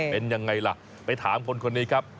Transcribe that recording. เป็นยังไงล่ะไปถามคนนี้ครับ